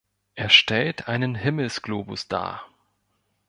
Er stellt einen Himmelsglobus dar.